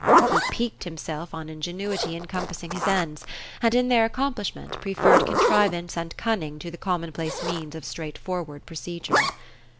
He piqued himself on ingenuity in compassing his ends; and, in their ac complishment, preferred contrivance and cunning to the commonplace means of straightforward procedure.